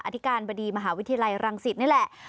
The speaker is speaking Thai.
อธิการบดีมหาวิทยาลัยรังสิตนี่แหละ